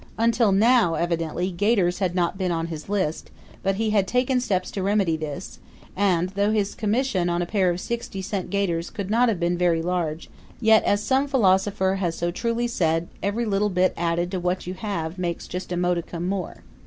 Until now evidently gaiters had not been on his list, but he had taken steps to remedy this; and, though his commission on a pair of sixty cent gaiters could not have been very large yet, as some philosopher has so truly said, every little bit added to what you have makes just a modicum more.